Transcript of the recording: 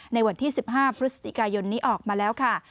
ในวันที่๑๕พฤศจิกายนนี้ออกมาแล้วค่ะ